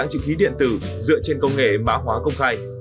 hiện tử dựa trên công nghệ má hóa công khai